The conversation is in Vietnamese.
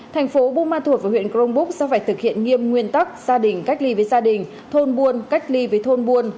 thành phố buôn ma thuột và huyện crong búc sẽ phải thực hiện nghiêm nguyên tắc gia đình cách ly với gia đình thôn buôn cách ly với thôn buôn